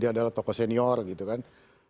dia punya dia adalah tokoh senior gitu kan